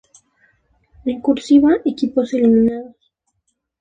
En "cursiva" equipos eliminados.